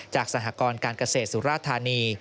สหกรการเกษตรสุราธานี